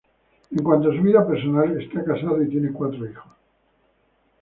En cuanto a su vida personal, está casado y tiene cuatro hijos.